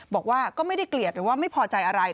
บอกว่าก็ไม่ได้เกลียดหรือว่าไม่พอใจอะไร